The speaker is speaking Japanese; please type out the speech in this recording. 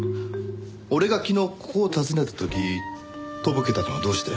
俺が昨日ここを訪ねた時とぼけたのはどうして？